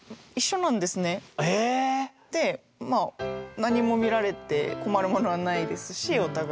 でまあ何も見られて困るものはないですしお互い。